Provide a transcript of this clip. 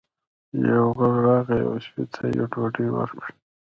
یو غل راغی او سپي ته یې ډوډۍ ورکړه.